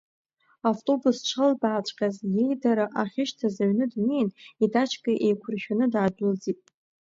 Автобус дшаалбаазҵәҟьа, иеидара ахьышьҭаз аҩны днеин, итачка еиқәыршәаны, даадәылҵит.